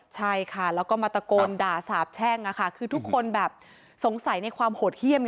ใช่ค่ะแล้วก็มาตะโกนด่าสาบแช่งคือทุกคนแบบสงสัยในความโหดเยี่ยม